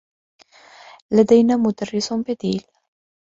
لدينا مدرّس بديل.